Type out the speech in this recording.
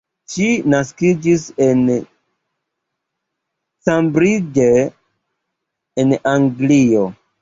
Ŝi naskiĝis en Cambridge en Anglio.